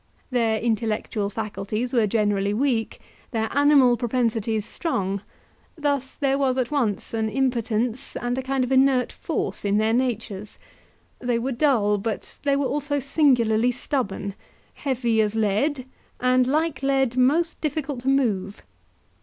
Their intellectual faculties were generally weak, their animal propensities strong; thus there was at once an impotence and a kind of inert force in their natures; they were dull, but they were also singularly stubborn, heavy as lead and, like lead, most difficult to move.